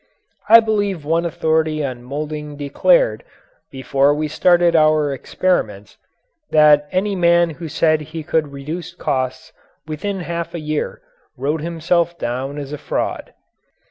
I believe one authority on moulding declared before we started our experiments that any man who said he could reduce costs within half a year wrote himself down as a fraud.